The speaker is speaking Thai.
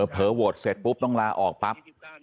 เผลอโหวตเสร็จปุ๊บต้องลาออกปั๊บ